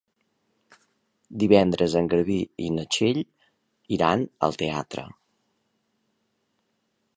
Divendres en Garbí i na Txell iran al teatre.